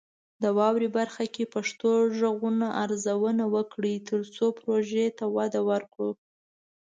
د "واورئ" برخه کې پښتو غږونه ارزونه وکړئ، ترڅو پروژې ته وده ورکړو.